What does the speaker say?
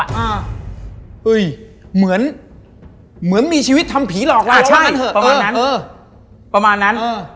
อ่าเฮ้ยเหมือนเหมือนมีชีวิตทำผีหลอกละใช่ประมาณนั้นเออเออ